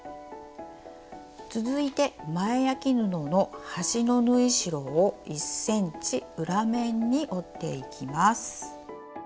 続いて前あき布の端の縫い代を１ｃｍ裏面に折っていきます。